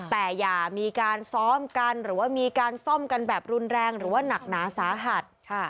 แต่อย่ามีการซ้อมกันหรือว่ามีการซ่อมกันแบบรุนแรงหรือว่าหนักหนาสาหัส